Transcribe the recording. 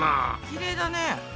きれいだね。